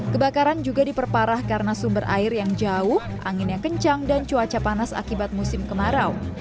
kebakaran juga diperparah karena sumber air yang jauh angin yang kencang dan cuaca panas akibat musim kemarau